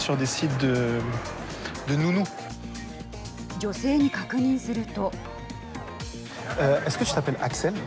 女性に確認すると。